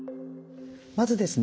まずですね